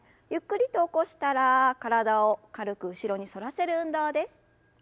ゆっくりと起こしたら体を軽く後ろに反らせる運動です。